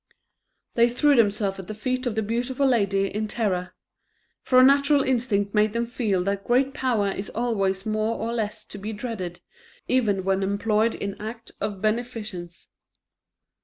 They threw themselves at the feet of the beautiful lady, in terror; for a natural instinct made them feel that great power is always more or less to be dreaded, even when employed in acts of beneficence.